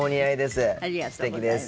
すてきです。